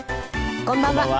こんばんは。